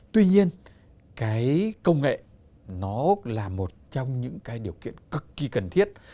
tuy nhiên cái công nghệ nó là một trong những cái điều kiện cực kỳ cần thiết